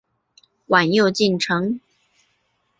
晚又进城。